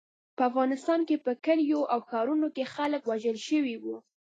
په افغانستان کې په کلیو او ښارونو کې خلک وژل شوي وو.